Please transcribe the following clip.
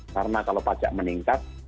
karena kalau pajak meningkat